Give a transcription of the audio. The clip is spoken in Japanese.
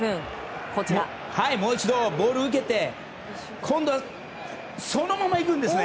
もう一度、ボールを受けて今度はそのまま行くんですね。